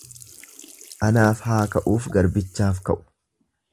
Anaaf haa ka'uuf garbichaaf ka'u.